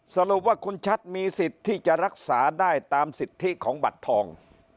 สรุปว่าคุณชัดมีสิทธิ์ที่จะรักษาได้ตามสิทธิของบัตรทอง